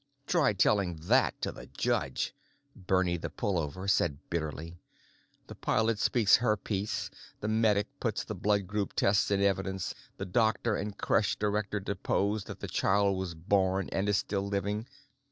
"Try telling that to the judge," Bernie the Pullover said bitterly. "The pilot speaks her piece, the medic puts the blood group tests in evidence, the doctor and crèche director depose that the child was born and is still living.